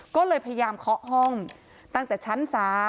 ก็เลยพยายามเคาะห้องตั้งแต่ชั้น๓